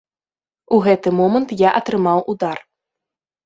У гэты момант я атрымаў удар.